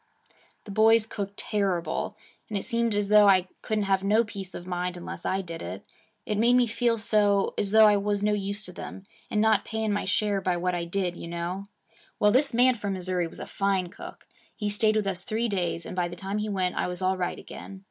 The boys cooked terrible, and it seemed as though I couldn't have no peace of mind, unless I did it. It made me feel so as though I was no use to them and not paying my share by what I did, you know. Well, this man from Missouri was a fine cook. He stayed with us three days, and by the time he went I was all right again.